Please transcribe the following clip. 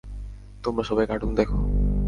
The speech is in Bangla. তোমরা সবাই কার্টুন দেখো।